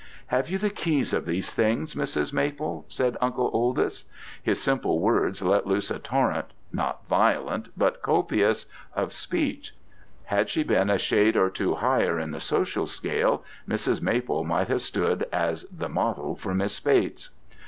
"'Have you the keys of these things, Mrs. Maple?' said Uncle Oldys. His simple words let loose a torrent (not violent, but copious) of speech: had she been a shade or two higher in the social scale, Mrs. Maple might have stood as the model for Miss Bates.